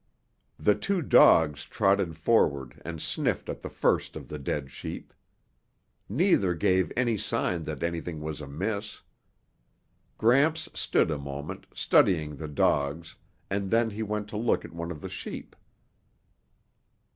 The two dogs trotted forward and sniffed at the first of the dead sheep. Neither gave any sign that anything was amiss. Gramps stood a moment, studying the dogs, and then he went to look at one of the sheep.